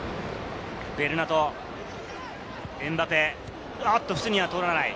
ベルナト、エムバペ、フスニには通らない。